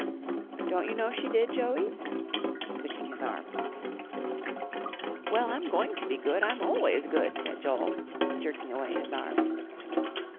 "Don't you know she did, Joey?" twitching his arm. "Well, I'm going to be good. I'm always good," said Joel, jerking away his arm.